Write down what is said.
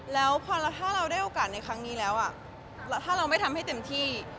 แล้วพอถ้าเราได้โอกาสในครั้งนี้แล้วถ้าเราไม่ทำให้เต็มที่